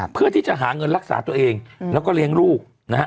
เพื่อที่จะหาเงินรักษาตัวเองแล้วก็เลี้ยงลูกนะฮะ